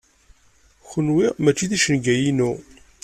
Kenwi mačči d icenga-inu.